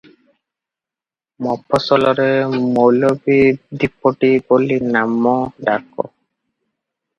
ମଫସଲରେ ମୌଲବୀ ଦିପୋଟି ବୋଲି ନାମ ଡାକ ।